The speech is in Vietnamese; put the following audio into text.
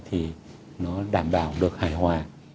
thì nó đảm bảo được hài hòa